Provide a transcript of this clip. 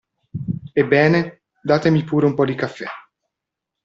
Ebbene, datemi pure un po' di caffè.